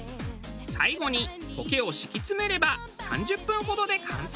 最後に苔を敷き詰めれば３０分ほどで完成。